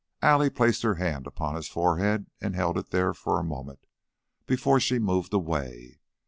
Allie placed her hand upon his forehead and held it there for a moment before she moved away.